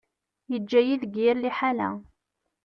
Yeǧǧa-yi deg yir liḥala.